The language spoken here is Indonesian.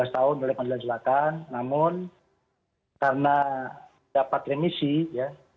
lima belas tahun oleh pengadilan selatan namun karena dapat remisi ya